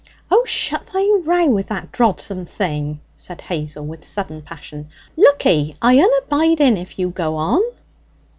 'Oh! shut thy row with that drodsome thing!' said Hazel with sudden passion. 'Look'ee! I unna bide in if you go on.'